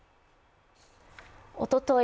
おととい